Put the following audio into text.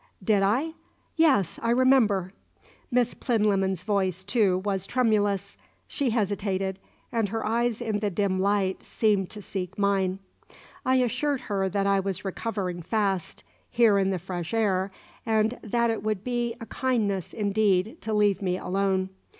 "Did I? Yes, I remember." Miss Plinlimmon's voice, too, was tremulous. She hesitated, and her eyes in the dim light seemed to seek mine. I assured her that I was recovering fast, here in the fresh air, and that it would be a kindness, indeed, to leave me alone.